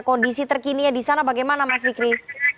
kondisi terkininya di sana bagaimana mas fikri